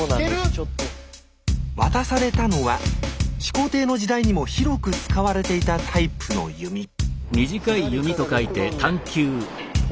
渡されたのは始皇帝の時代にも広く使われていたタイプの弓左から６番目。